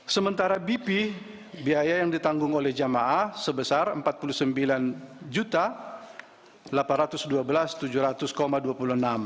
sementara bp biaya yang ditanggung oleh jamaah sebesar rp empat puluh sembilan delapan ratus dua belas tujuh ratus dua puluh enam